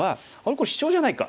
これシチョウじゃないか。